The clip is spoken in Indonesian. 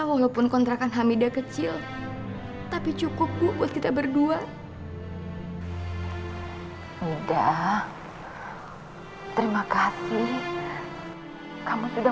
walaupun kontrakan hamida kecil tapi cukup buat kita berdua tidak terima kasih kamu sudah